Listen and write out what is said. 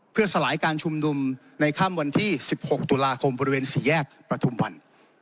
เพื่อสลายการชุมนุมในค่ำวันที่๑๖ตุลาคมบริเวณสี่แยกประทุมวัน